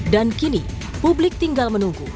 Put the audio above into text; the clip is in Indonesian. dan kini publik tinggal menunggu